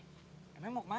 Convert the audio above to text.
eh emangnya mau kemana